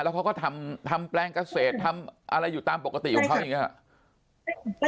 เขาก็ทำแปลงเกษตรทำอะไรอยู่ตามปกติของเขาอย่างนี้หรอ